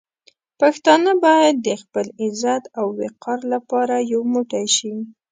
پښتانه باید د خپل عزت او وقار لپاره یو موټی شي.